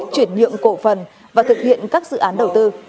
chuyển nhượng cổ phần và thực hiện các dự án đầu tư